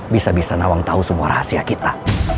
bisa bisa nawang tahu semua rahasia kita